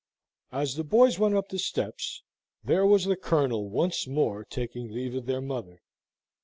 As the boys went up the steps, there was the Colonel once more taking leave of their mother.